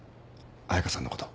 彩佳さんのこと。